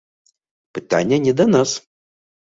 Пытанне не да нас.